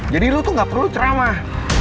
jadi lo tuh gak perlu ceramah